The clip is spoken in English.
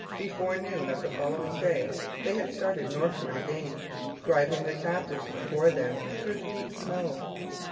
Before noon of the following day they had started northward again, driving their captives before them through the deep snow.